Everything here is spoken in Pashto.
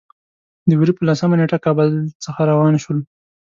د وري په لسمه نېټه کابل څخه روان شولو.